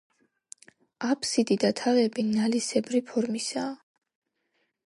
აფსიდი და თაღები ნალისებრი ფორმისაა.